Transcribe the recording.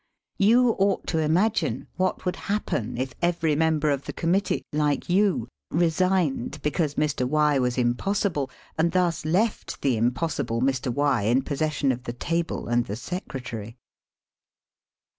You ought to imapne what would happen if every member of the Committee, like you, re signed because Mr. Y was impossible, and thus SOME AXIOMS ABOUT WAR WORK 86 left the impossible Mr. Y in possession of the table and the secretary.